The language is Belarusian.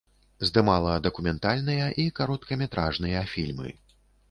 Здымала дакументальныя і кароткаметражныя фільмы.